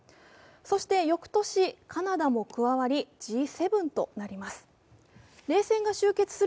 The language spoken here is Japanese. そして翌年、カナダも加わりＧ７となります。